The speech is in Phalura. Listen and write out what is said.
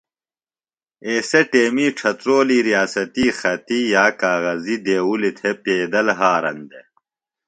ایسےۡ ٹیمی ڇھترولی ریاستی خطی یا کاغذی دیوُلی تھے پیدل ہارن دےۡ